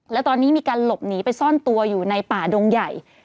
แล้วตอนนี้มีการหลบหนีไปซ่อนตัวอยู่ในป่าดงใหญ่